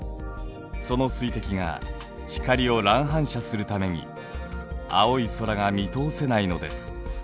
その水滴が光を乱反射するために青い空が見通せないのです。